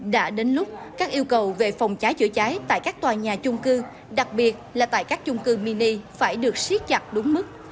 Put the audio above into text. đã đến lúc các yêu cầu về phòng cháy chữa cháy tại các tòa nhà chung cư đặc biệt là tại các chung cư mini phải được siết chặt đúng mức